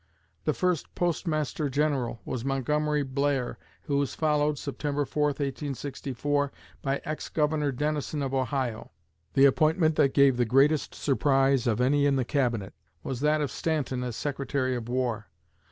The first Postmaster General was Montgomery Blair, who was followed (September 4, 1864) by ex Governor Dennison of Ohio. The appointment that gave the greatest surprise of any in the Cabinet was that of Stanton as Secretary of War.